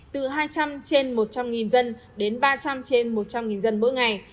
từ hai trăm linh trên một trăm linh dân đến ba trăm linh trên một trăm linh dân mỗi ngày